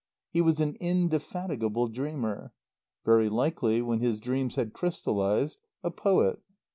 He was an indefatigable dreamer. Very likely when his dreams had crystallized a poet.